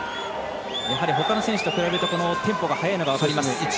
ほかの選手と比べるとテンポが速いのが分かります。